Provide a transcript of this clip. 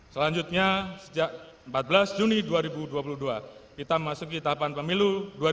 selanjutnya sejak empat belas juni dua ribu dua puluh dua kita memasuki tahapan pemilu dua ribu dua puluh